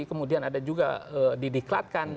kemudian ada juga dideklatkan